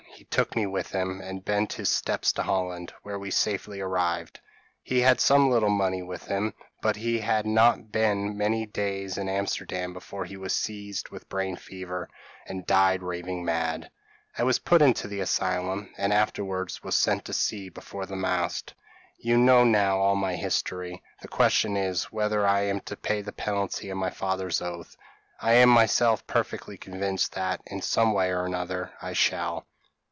He took me with him, and bent his steps to Holland, where we safely arrived. He had some little money with him; but he had not been many days in Amsterdam before he was seized with a brain fever, and died raving mad. I was put into the asylum, and afterwards was sent to sea before the mast. You now know all my history. The question is, whether I am to pay the penalty of my father's oath? I am myself perfectly convinced that, in some way or another, I shall."